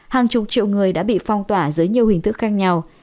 hàng chục triệu người đã bị phong tỏa dưới nhiều hình thức khác nhau